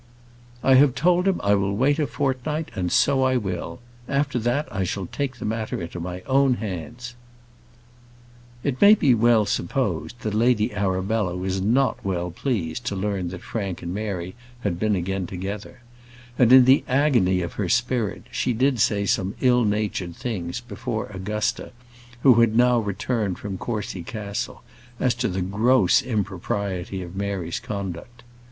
"I have told him I will wait a fortnight, and so I will. After that, I shall take the matter into my own hands." It may be well supposed that Lady Arabella was not well pleased to learn that Frank and Mary had been again together; and, in the agony of her spirit, she did say some ill natured things before Augusta, who had now returned from Courcy Castle, as to the gross impropriety of Mary's conduct.